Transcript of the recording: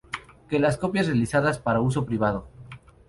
que las copias realizadas para uso privado